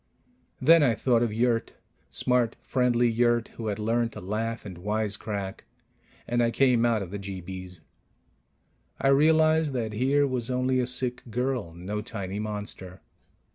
Then I thought of Yurt smart, friendly Yurt, who had learned to laugh and wisecrack and I came out of the jeebies. I realized that here was only a sick girl, no tiny monster.